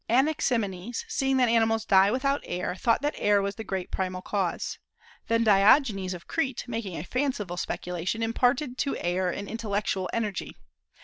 Anaximenes, seeing that animals die without air, thought that air was the great primal cause. Then Diogenes of Crete, making a fanciful speculation, imparted to air an intellectual energy.